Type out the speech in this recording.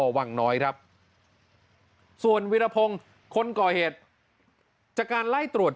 วังน้อยครับส่วนวิรพงศ์คนก่อเหตุจากการไล่ตรวจ